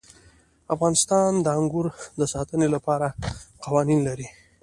افغانستان د انګور د ساتنې لپاره قوانین لري.